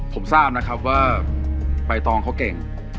ผมทราบนะครับว่าใบตองเขาเก่ง